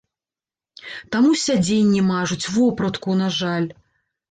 Таму сядзенні мажуць, вопратку, на жаль.